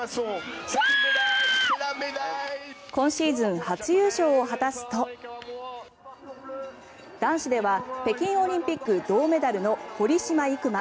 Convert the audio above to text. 今シーズン初優勝を果たすと男子では北京オリンピック銅メダルの堀島行真。